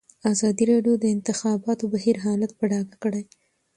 ازادي راډیو د د انتخاباتو بهیر حالت په ډاګه کړی.